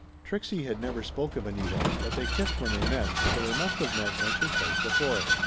Trixie had never spoke of Anita, but they kissed when they met, so they must of met once or twice before.